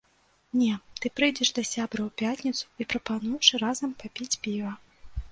Не, ты прыйдзеш да сябра ў пятніцу і прапануеш разам папіць піва.